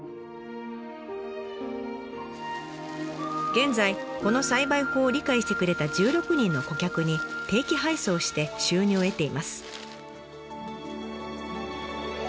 現在この栽培法を理解してくれた１６人の顧客に定期配送をして収入を得ています。